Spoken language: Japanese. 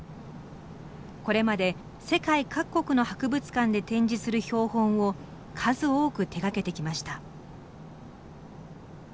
これまで世界各国の博物館で展示する標本を数多く手がけてきました。